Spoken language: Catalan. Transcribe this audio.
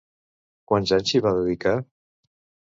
Quants anys s'hi va dedicar?